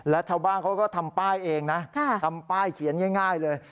และชาวบ้านเขาก็ทำป้ายเองนะทำป้ายเขียนง่ายเลย